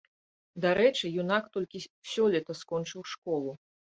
Дарэчы, юнак толькі сёлета скончыў школу.